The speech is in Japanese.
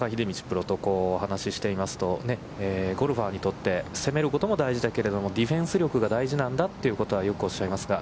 プロと話ししていますと、ゴルファーにとって攻めることも大事だけれども、ディフェンス力が大事なんだということはよくおっしゃいますが。